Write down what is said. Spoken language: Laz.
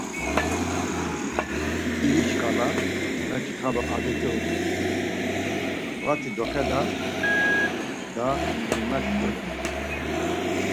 İri şǩala meçxalu adet̆i uğun; vati doxeda da himuşǩala.